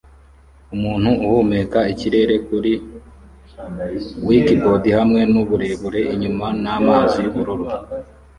Umuntu uhumeka ikirere kuri wakeboard hamwe nuburebure inyuma namazi yubururu